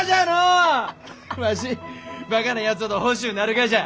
わしバカなやつほど欲しゅうなるがじゃ。